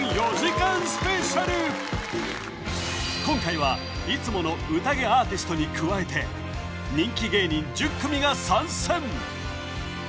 今回はいつものＵＴＡＧＥアーティストに加えて人気芸人１０組が参戦！